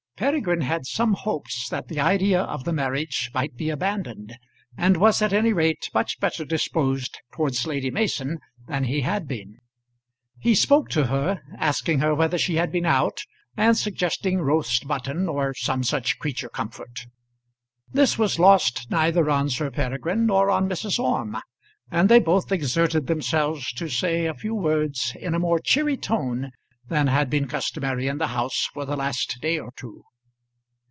Peregrine had some hopes that the idea of the marriage might be abandoned, and was at any rate much better disposed towards Lady Mason than he had been. He spoke to her, asking her whether she had been out, and suggesting roast mutton or some such creature comfort. This was lost neither on Sir Peregrine nor on Mrs. Orme, and they both exerted themselves to say a few words in a more cheery tone than had been customary in the house for the last day or two.